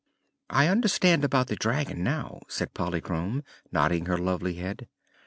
"I understand about the dragon, now," said Polychrome, nodding her lovely head.